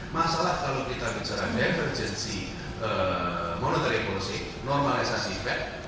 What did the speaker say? masalah kalau kita bicara memergency monetary policy normalisasi bed